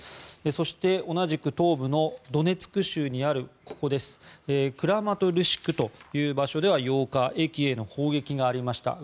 そして同じく東部のドネツク州にあるクラマトルシクという場所では８日、駅への砲撃がありました。